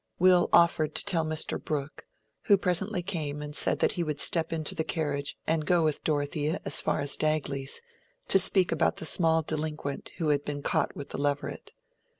Will offered to tell Mr. Brooke, who presently came and said that he would step into the carriage and go with Dorothea as far as Dagley's, to speak about the small delinquent who had been caught with the leveret.